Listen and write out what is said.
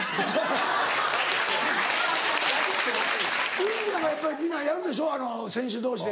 ウインクなんかやっぱり皆やるでしょ選手同士で。